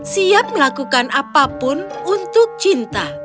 siap melakukan apapun untuk cinta